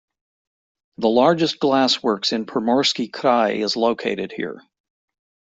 The largest glassworks in Primorsky Krai is located here.